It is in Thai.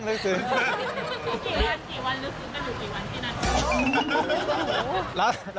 กี่วันลึกซึ้งก็อยู่กี่วันที่นั่น